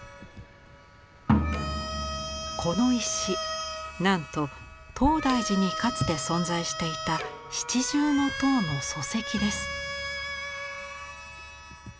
この石なんと東大寺にかつて存在していた七重塔の礎石です。